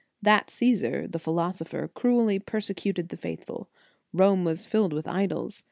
That Csesar, the philosopher, cruelly persecuted the faithful. Rome was filled with idols.